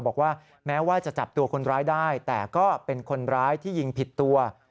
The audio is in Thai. บอกว่าแม้ว่าจะจับตัวคนร้ายได้แต่ก็เป็นคนร้ายที่ยิงผิดตัว